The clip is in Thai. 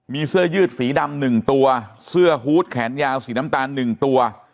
มีเสื้อยืดสีดำ๑ตัวเสื้อฮูตแขนยาวสีน้ำตาล๑ตัว